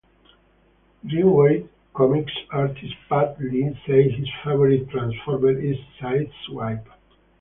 Dreamwave comics artist Pat Lee says his favorite Transformer is Sideswipe.